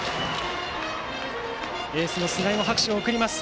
エースの菅井も拍手を送りました。